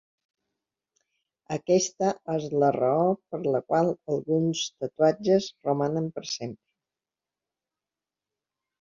Aquesta és la raó per la qual alguns tatuatges romanen per sempre.